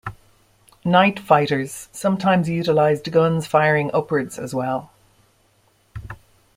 Night fighters sometimes utilized guns firing upwards as well.